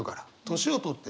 年を取っていく。